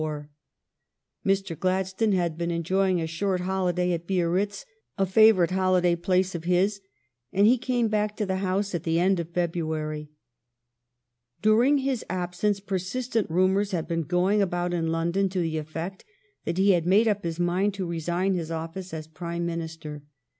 Mr. Gladstone had been enjoying a short holiday at Biarritz, a favorite holiday place of his, and he came back to the House at the end of February. During his absence persistent rumors had been going about in London to the effect that he had made up his mind to resign his office as Prime Minister.